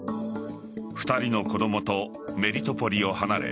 ２人の子供とメリトポリを離れ